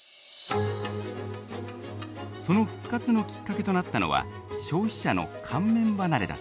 その復活のきっかけとなったのは消費者の乾麺離れだった。